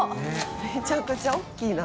めちゃくちゃ大きいな。